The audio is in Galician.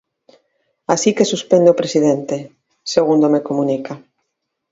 Así que suspende o presidente, segundo me comunica.